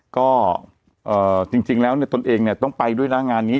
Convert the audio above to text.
ก็เอ่อจริงจริงแล้วเนี่ยตนเองเนี่ยต้องไปด้วยร้านงานอย่างงี้